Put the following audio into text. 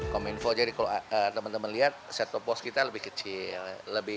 kominfo jadi kalau teman teman lihat set top post kita lebih kecil